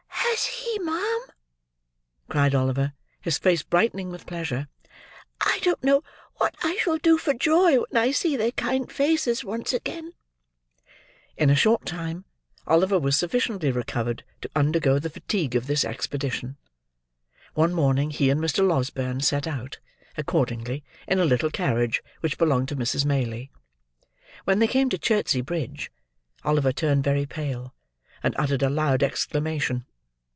"Has he, ma'am?" cried Oliver, his face brightening with pleasure. "I don't know what I shall do for joy when I see their kind faces once again!" In a short time Oliver was sufficiently recovered to undergo the fatigue of this expedition. One morning he and Mr. Losberne set out, accordingly, in a little carriage which belonged to Mrs. Maylie. When they came to Chertsey Bridge, Oliver turned very pale, and uttered a loud exclamation.